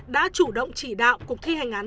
đã chủ động chỉ đạo cục thi hành án